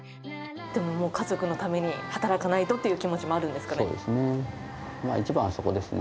でももう家族のために働かないとっていう気持ちもあるんですそうですね。